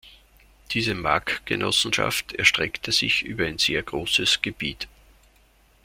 Diese Markgenossenschaft erstreckte sich über ein sehr großes Gebiet.